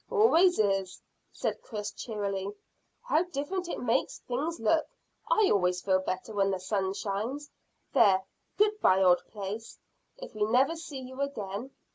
"Always is," said Chris cheerily. "How different it makes things look! I always feel better when the sun shines. There, good bye, old place, if we never see you again."